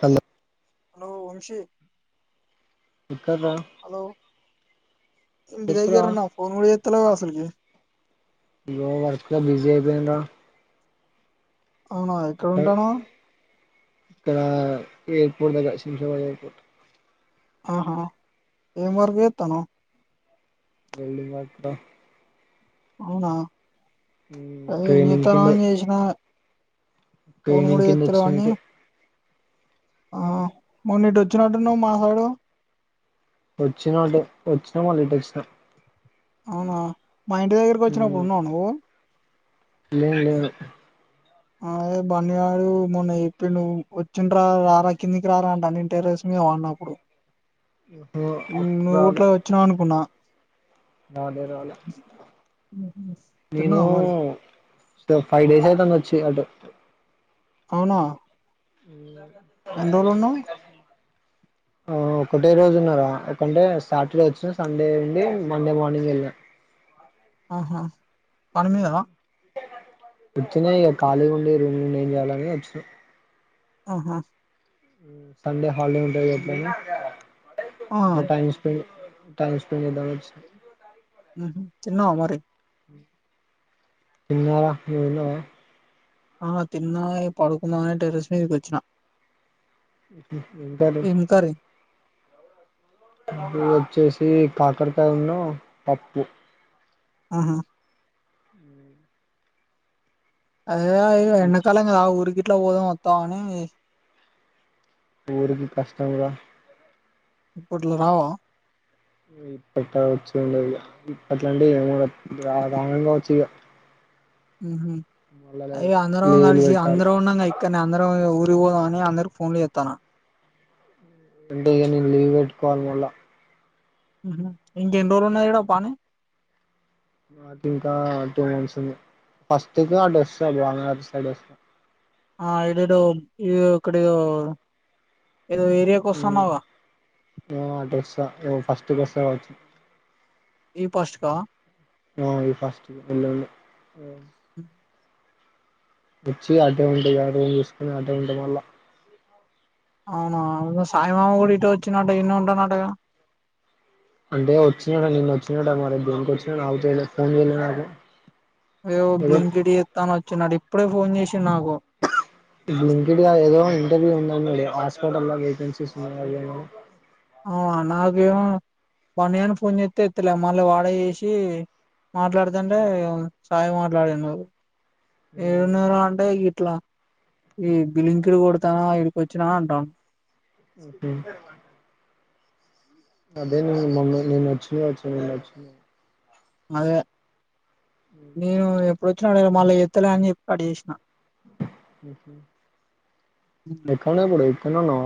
Hello hello Vamshi ఎక్కడ్రా hello ఇంటి చెప్పురా దగ్గరున ఫోన్ కూడా చెయ్యలేగ అసలుకి ఇగో వర్క్లో బీసీ అయిపోయినర అవునా ఎక్కడ ఉంటాను ఇక్కడ ఎయిర్పోర్ట్ దగ్గర శింసావాడ ఎయిర్పోర్ట్ ఆహా ఏం వర్క్ చేత్తనవ్ వెళ్ళి [unintelligible] అవునా మ్మ్ ఏయ్ ట్రైనింగ్ హీటర్ కింద ఆన్ చేసిన ఫోను ట్రైనింగ్ కూడా కింద ఎత్తారు వచ్చిన వాణీ ఇటే ఆ మొన్న ఇటు వచ్చినట్టువ్ మా సందుల వచ్చిన అటు వచ్చినా మళ్ళీ ఇటు వచ్చినా అవునా మా ఇంటి దగ్గరకి వచ్చినప్పుడు ఉన్నావు నువ్వు లేను లేను అదే బండివాడు మొన్న చెప్పిండు వచ్చిండు రా రారా కిందికి రారా అంటే అన్నింటి టెరస్ మీద ఉన్నప్పుడు ఓహో అప్పుడు నువ్వు గట్ల రాలే వచ్చినావ్ అనుకున్నా రాలే రాలే ఉహు. నేను తిన్నావా మరి సో ఫైవ్ డేస్ అయితాంది వచ్చి అటు అవునా ఊ ఎన్ని రోజులు ఉన్నావ్ [unintelligible] ఆ ఒకటే రోజు ఉన్నారా అంటే సాటర్డే వచ్చిన సండే నుండి మండే మార్నింగ్ వెళ్ళ ఆహా పని మీదా వచ్చనే ఇక ఖాళీ ఉండి రూమ్ నుండి ఏం చేయాలని వచ్చిన ఆహా ఉ సండే హాలిడే ఉంటాది ఎట్లా అని ఆ దా టైమ్ స్పెండ్ టైమ్ స్పెండ్ చేద్దామని వచ్చినా ఉహు తిన్నవా మరి తిన్నా రా నువ్వు తిన్నావా ఆ తిన్నాయి పడుకుందామని అనీ టెర్రెస్ మీదకు వచ్చిన ఏం కర్రీ [unintelligible] ఇప్పుడు వచ్చేసి కాకరకాయ ఉన్నూ పప్పు ఆహా అదే ఎండాకాలం కదా ఊరికి ఎట్లా పోదాం వత్తావ్ అని ఊరికి కష్టంగా ఇప్పట్లో రావా ఇప్పట్ వచ్చు ఉండేదు ఇగ ఇప్పట్లాంటే ఇగ రాను కావచ్చు ఇగా ఉహు అయ్యా అందరం లీవులు కలిసి పెట్టాలి అందరం ఉన్నాంగా ఇక్కడనే అందరం ను పోతావని అందరుకి ఫోన్ చెత్తన్న ఎంత ఏమీ లీవ్ పెట్టుకోవాలి మళ్ళా ఉహు ఇంక ఎన్ని రోజులున్నా కడ పా పని మాకు ఇంకా టూ మంత్స్ ఉంది ఫస్ట్ అడ్రెస్ అభ సై వస్త ఆ ఇడడు ఇక్కడ ఏదో ఏరియాకి వస్తున్నావుగా అడ్రస్ ఫస్ట్ అడ్రస్ సవాచ్చి ఈ పష్క ఆ ఈ ఫస్ట్ అ వచ్చి అడ్డే ఉంటేయి ఎ రూం చూసుకొని అడ్డ ఉండడం వల్ల అవునా అవు సాయి మామ కూడాడిట వచ్చినట ఎన్న ఉంటా నాటగా అంటే వచ్చినట నిన్న వచ్చినట మర దేనికి వచ్చినాడు నాకు తె ఫోన్ చేయలే నాకు ఏ ఏదో బ్లింగడి ఎస్తాను వచ్చ నడి ఎప్పుడే ఫోన్ చేసిిన్నాకో లింకెడ్ గా ఏదో ఇంటర్వ్యూ ఉందం హాస్పోటేెన్సీస్ ఉన్న అవునా నాకేమో బన్ని ఫోన్ చేస్త ఎత్త్తలే మళ్ళీ వాడ చేసి మాట్లాడుదంటే సాయి మాట్లాడిన్నారు అని ఎన్నూరు అంట అయి కీట్లా ఈ బిలింకిడు కొడతానా ఇడికి వచ్చినా అంటాను ఓకే అదే నేను మమ్మ నేను నచ్చినా వచ్చి నేను నచ్చిన అదే నేను ఎ ఇప్పుడు వచ్చినాడు మళ్ళీ ఎత్తలే అని చెప్పి అడ చేసినను ఎక్కా ఉన పడే తనును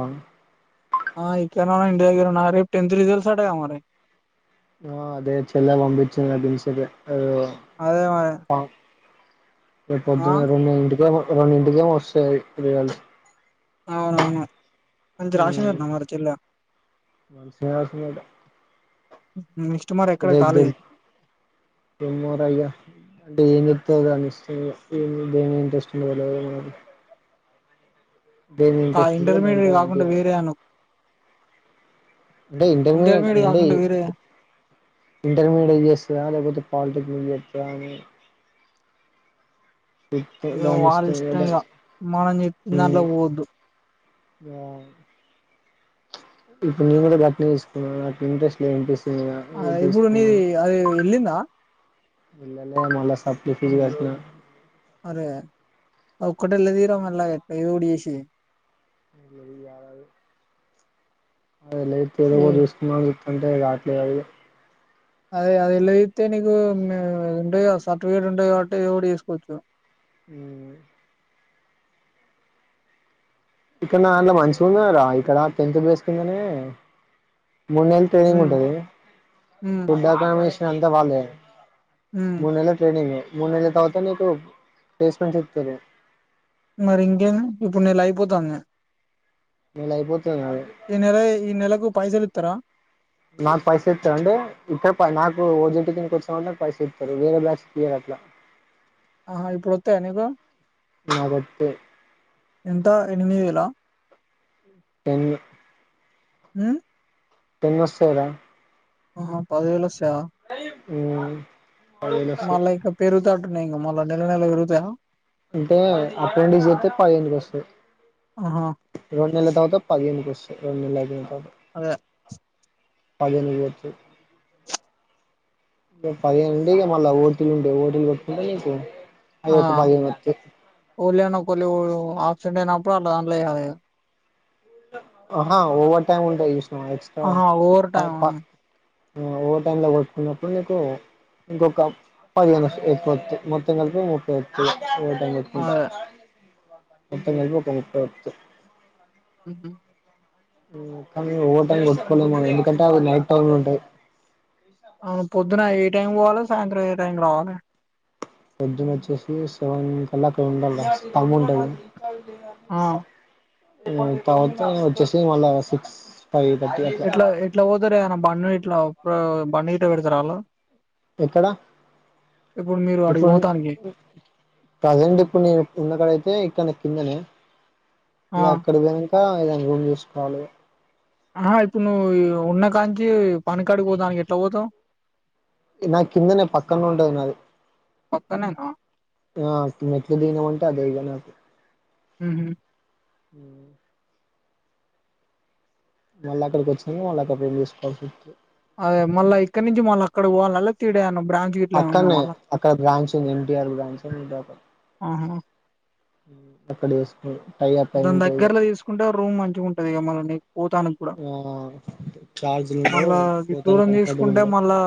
ఇక్క ఇండియా గ ఉన్నా అే టె రిజల్ట్ సాడే మ ఆ అదే చెల్ పంబచ్చందిభిషద అదే మరి అ ఆ పొద్దున్న రెండు ఇంటిక రెండింటికేమో వస్తాయి రళ్ళు అవునవును మంచి రాసిందటనా మరి చెల్లె మనషసట నెక్స్ట్ మరి ఎక్కడ ద ద కాలేజ్ త మరగా ఏం చెప్ని ఇంట్రెస్ట్ ఉ ఉంటదో ఇంటర్మీడియట్ దాంట్లో కాకుండా పంపియాలి వేరే అను అంటే ఇంటర్మీడియట్ అ కాకుండా వేరే ఇంటర్మీడియట్ చేస్తుందా లేకపోతే పాలిటెక్య స్వామి ఇగ దాని ఇష్టం వాల్లిష్టం కదా ఇగ మనం చెప్పిన మ్మ్ దాంట్లకు పోవొద్దు ఆ ఇప్పుడు నేను కూడా గట్నే తిసుకున్నా నాకు ఇంట్రెస్ట్ లేంపీస్ అ ఇప్పుడు నీది అది ఎలిందా ఎల్లాలే మళ్ళ సాప్లి ఫిజ్ గట్నా అరే ఒక్కతెల్లతియ్ రా మళ్ళ గట్నే ఏదోటి చేసి ఏళ్ళేది కాదు అది నువ్ ఎల్లత్తితే ఏదోఒకటి చూసుకుందాం అని చు అంటే రావట్లేదు అది అదే అది ఎలాతితే నీకు ఆ ఏ ఉంటది గా సర్టిఫికేట్ ఉంటది కాబట్టి ఇదో ఒకటి చేసుకోవచ్చు హు ఇక్కడ నా దాంట్ల మంచిగున్నదిరా ఇక్కడ టెన్త్ బేసుకిందనే మూన్నెళ్ళు ట్రైనింగ్ ఉమ్ ఉంటది ఉమ్ ఫుడ్ అకమ్ అంత వాళ్లదే ఉమ్ మూడు నెల్లు ట్రైనింగ్ మూడు నేళ్ల తరువాత నికు ప్లేస్మెంట్ ఇత్తరు మరి ఇంకేంది ఇప్పుడు నెలయి పోతాంది నెల అయిపోతుంది నాది ఈ నెల ఈ నెలకు పైసలు ఇత్తారా నాకు పైస ఇత్తరు అంటే ఇక్కడ ప నాకు ఓ జిడ్ కిందికి వస్తావంటే నాకు పైస ఇత్తరు వేరే బ్యాచ్ కీయ్యరట్లా ఆహా ఇప్పుడు ఓత్తాయా నీకు నాకొత్తే ఎంత ఎనిమిది వేలా టేన్ హుమ్ టెన్ వస్తయి రా ఆహ పదివేలోస్ త హు మళ్ళ ఇక్క పెరుగుత ఇంగ మళ్ళ నెల నెలకు పెరుగుతయా అంటే అప్రాంటిస్ చేతే పదిహేనుకి వస్తయి ఆహా గన్ నెల తరువాత పదిహేనుకొస్తాయి రెండు నెలలు అయిపోయిన తర్ అదే పదిహేనుకు పోతది ఇగ పదిహేనుండి మళ్ళా ఓటిలు ఉంటయి ఓటిలు కొట్టుకుంటే నీకు అయ్యోక పది హేను ఓత్తయ్ కొళ్ళు అప్సెంట్ అయినప్పుడు అట్లా అాండ్ల చేయాలె ఇగ అహ ఓవర్ టైమ్ ఉంటాయ్ చుస్ ఆహ ఓవర్ టైమ్ అని ఓ టై లో కొట్టుకున్నప్పుడు, నీకు ఇంకొక్క. పదిహేను వొస్తాయ్ ఎక్కొ అత్తయ్ మొత్తం కలిపి ముప్పై అత్తయ్ ఎ. అదే [inaudible] మొత్తం కలిపి ఒక ముప్పై అత్తయ్. ఉ ఉ మొత్తం మీద ఓవర్ టైం కొట్టుకోలే మ ఎందుకంటే అవి నైట్ టైం లో ఉంటాయి. అవును పొద్దున ఏ టైం పోవాలె, సాయంత్రం ఏ టైం రావాలె. పొద్దున వచ్చేసి సెవెన్ కల్లా అక్కడ ఉండాల తమ్ము ఉంటది. ఆ [inaudible] తర్వాత వొచ్చేసి మళ్ళా సిక్స్. ఫైవ్ థర్టీ అట్లా ఎట్లా ఎట్లా వొతరే ఏమన్నా బంళ్ళే. ఇట్లా ఒక బండి గిట్ల పెడతార అంల్లా. ఎక్కడ, ఇప్పుడు మీరు అడిగి ఇప్పుడు, పోతానికి ప్రజెంట్ ఇప్పుడు నేను ఉన్నకాడైతే. ఇక్కన్నే. తిన్నాల. ఆ ఇగ అక్కడ పోయినాక. ఇంకాఎదైనా రూమ్ చూసుకోవాలె. ఆ ఇప్పుడు నువ్వు, ఉన్నకానికి పనికాడికి పోదనికి ఎట్లా పోతావ్. నా కిందనే పక్కన ఉంటుది అది పక్కనేనా ఆ మెట్లుదిగినమొ లె. [unintelligible] ఉహు. హ వాళ్ళ అక్కడ వొచ్చినాక మళ్ళా అక్కడ సేవ్ చేసుకోవచ్చు. అదే మళ్ల ఇక్క నుంచి మళ్ళ అక్కడ పోవాలల్ తిడే అన్నం. అక్కనే అక్కడ బ్రాంచ్ ఉంది ఎన్టీఆర్ బ్రాంచ్ ఇడ. ఆహా అక్కడ వేసుకో. దాని దగ్గరలో తీసుకుంటే రూమ్ మంచిగా ఉ. ఇగ మళ్ల నెక్. పోతానమం కూడా, ఆ చార్జీలు ఉండవు మళ్ళా ఇ పోతానికి దూరం కంఫర్టబుల్ తీసుకుంటే ఉండవు మళ్ళా,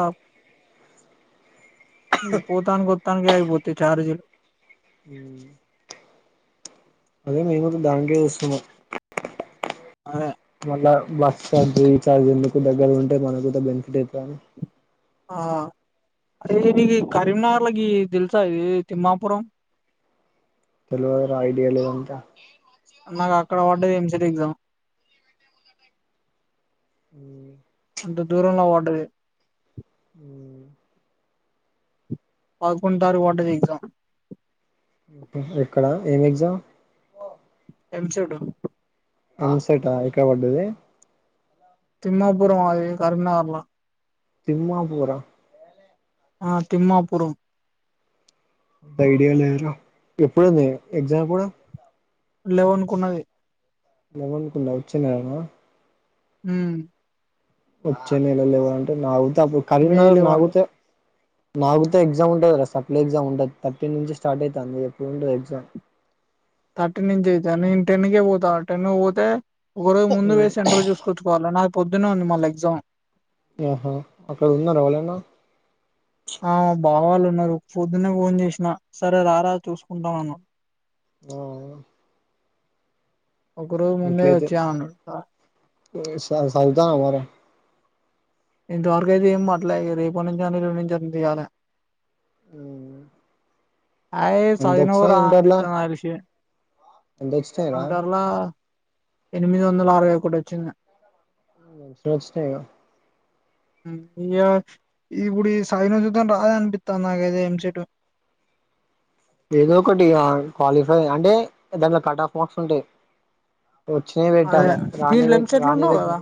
పోతానికి వొత్తానికి ఆయిపోతాయి ఛార్జీలు. అదే మేము గుడ దానికే చూస్తున్న. అదే. మళ్ళా బస్ స్టాండ్, రీఛార్జ్ ఎందుకు దగ్గర ఉంటే, మనకు బెనిఫిట్ అయితదని అని. ఆ. అదే దిగి కరీంనా. ఇట్లా గి తెల్సా ఇది తిమ్మాపురం. తెలువద్ ఐడియా లేదంతా. నాకు అక్కడ వా. Danger exam. ఉ అంత దూరంలో వడ్డయి. ఉ పకుట తారు వాటేదిగసా ఎక్కడ ఏం ఎగ్జామ్ ఎంసెట్ ఆ సేటా ఎక్క పడ్డది తిమ్మాపురం అది కరీంనగర్లా తిమ్మాపూరా ఆ తిమ్మాపురం ఐడియా లేరా ఎప్పుడుంది ఎగ్జామ్ కూడా లేవనుకున్నది ఎమనుకుడా ఉచ్చే నేరమా హ వచ్చ నెల లే ఎవ అంటే నావు ప్పుడు మే కరీంగ లెవెన్ నాకుతే మాకుతే ఎగ్జామ్ ఉంటుంది కాద సప్లై ఏగ్జామ్ ఉంటది థర్టీన్ నుంచి స్టార్ట్ అయ్తాంది. ఎప్పుడుంటంది ఎగ్జామ్ థర్టీన్ నుంచి అయితే నేను టెన్ కే పోతాను టెన్కు పోతే ఒక రోజు ముందుక్ పోయ్ సెంటర్ చూస్ కోర్చువాలి నాక్ పొద్దున ఉంది మళ్ళ ఎగ్జామ్ ఆహా అక్కడ ఉన్నారు ఎవళన్నా అ బావ వాళ్ళు ఉన్నారు పొద్దున్నే ఫోన్ చేస్నా సరే రారా చూసుకుంటానన్నా ఆ ఆ ఒక రోజు ముందే వచ్చాయ్ అన్ అన్నాడు సా సాద్వత ఉన్నావారా ఇంతవరకుయితే ఏ పట్ల రేపట్ నుంచ్ [unintelligible] తీయాల హ్మ్ అయ్యే చదివినరా అన్పీత ఆ విషయమే ఎంతొచ్చినాయిరా ఇంటర్ల ఎనిమిది వందల అరవై ఒకటి వచ్చింద [unintelligible] ఇగ ఇక ఇప్పుడు ఈ చదివిన చూత రాదనిపిస్తాది నాకైతే ఎంసెట్ ఏదో ఒకటి క్వాలిఫై అంటే దాంట్లో కట్ ఆఫ్ మార్క్స్ ఉంటాయి. వచ్చినయి అదే పెట్టాలా దీంట్లో రాణీవి ఎంసెట్లు ఉండవు రాాణీవి కదా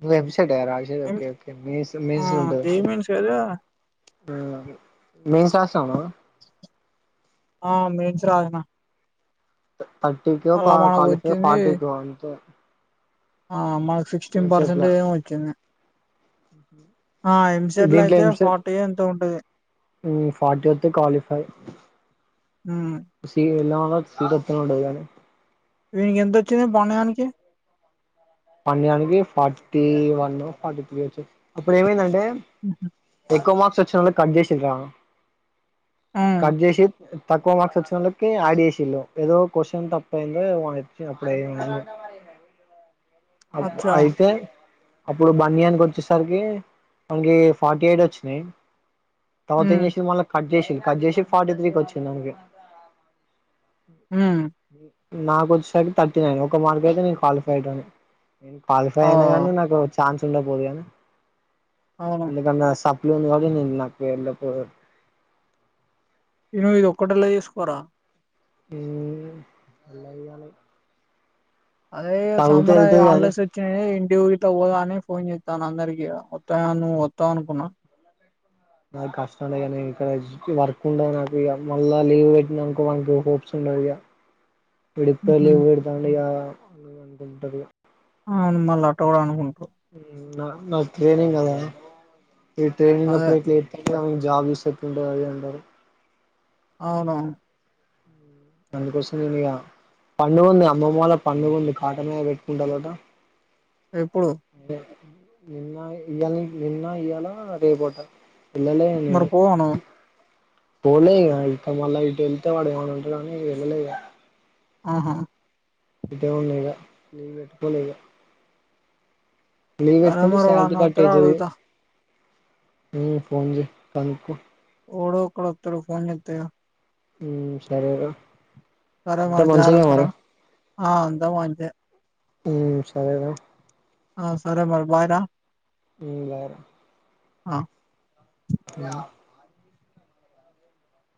నువ్వు ఎంసెట్ ఏనా రాసేది ఓకే ఓకే మెయిన్స్ ఆ మెయిన్స్ ఉంటది జేఈఈ మెయిన్స్ కదా అ మెయిన్స్ రాసినవా నువ్వు ఆ మెయిన్స్ రాసిన థర్టీ కో అలా కా మనకు క్వాలిఫై వచ్చింది ఫార్టీ కో ఉంటది ఆ అమ్మయ్ సిక్స్టీన్ ల పర్సెంటేజ్ ఏమో వచ్చింది ఆ ఎంసెట్ లో దీంట్లో అయితే ఎంసెట్ ఫార్టీ ఎంతో ఉంటది హుమ్ ఫార్టీ వస్తే క్వాలిఫై ఉమ్ సివిలో మస్త్ ఇంట్రెస్టింగ్ ఉంటది కదండి వీనికి ఎంత వచ్చింది బన్ను గానికి బన్ను గానికి ఫార్టీ వన్ ఫార్టీ త్రీ వచ్చి అప్పుడు ఏమైందంటే ఎక్కువ మర్క్స్ చ్చిన వాళ్ళకి కట్ చేసిండు రా ఉమ్ కట్ చేసి తక్కువ మార్క్స్ వచ్చిన వాళ్ళకి ఆడ్ చేసిళ్లు ఏదో క్వశ్చన్ తప్పు అయిందో అప్పుడ అబ్ అచ్చా అయితే అప్పుడు బన్నీ గానికి వచ్చేసరికి వానికి ఫార్టీ ఎయిట్ వచ్చినాయి తర్వాత ఎం ఉమ్ చేసిండ్రు మళ్ళా కట్ చేసిన్రు కట్ చేసి ఫార్టీ త్రీకి వచ్చింది వానికి ఉ నాకు వచ్చేసరికి థర్టీ నైన్ ఒక మార్క్ అయితే నే క్వాలిఫై అయ్యే్టోడిని నేను క్వాలిఫై ఆ అయినా గానీ నాకు చాన్స్ ఉండ పోదు కానీ అవును ఎందుకంటే సప్లి సప్లి ఉంది కాబట్టి నేను నాకు వెళ్ళాపోదును ఏమో ఇది ఒక్కటి వెళ్ళదిసుకోరా ఉ ఉన్నయ్ కానీ అరేయ్ సమ్మర్ కానీ హాలిడేస్ వచ్చయి ఇంటికి గిట్ట పోదామని పోన్ చేత్తన అందరికి ఇగ వత్తాయ నువ్వు వస్తావు అనుకున్నా నాకు కష్టంలే ఇగ నేను ఇక్కడ వర్క్ ఉండదు నాకు ఇక మళ్ళా లీవ్ పెట్టినాన్కో మనకి హోప్స్ ఉండవు ఇక పెడితే ఉహు, లీవ్ పెడతా అంటివి కదా అ అనుకుంటది అవును మళ్ళ అ కూడా అనుకుంటును ఉ నా నా టేనింగ్దా ఈ ట్రైనింగ్ అదే అప్పుడు ఇట్లా చేస్తే జాబ్ దస్ండ అదిేారు అవునా అందుకోసంది నేను ఇక పండుగ ఉంది అమ్మమ్మల పండుగ ఉంది కాటమద పెట్టుకుంటానుట ఇప్పుడు ఎన్న ఇల్ని ఎన్న ఇ్యాల రేపోట పిల్లలే మరి నేను పోవా నువ్వు పోలేంగా ఇక మళ్ళ ఇటు వెళ్తేయ్ వాడు ఏమైనా అంటాడు అని ఇంకా ఎలాలే హమ్ ఇదే ఉ లేద నీ పెట్టుకోలేద లీవ్ సరే పెట్టుకుంటే మరి సాలరీ వాడన్న కట్ వత్తడో అయితది అడుగుతా హుమ్ ఫోన్ చెయ్ కనుక్కో ఎవడో ఒకడు వత్తడు ఫోన్ చేత్తే ఇగ హుమ్ సరేరా సరే అంతా మరి మంచిదే జాగ్రత్త రా మరి ఆ అంతా మంచే హుమ్ సరేరా ఆ సరే మరి బాయ్ రా హుమ్ రాను ఆ